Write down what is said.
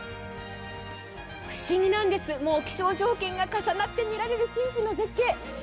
不思議なんです、気象条件が重なってみられる絶景。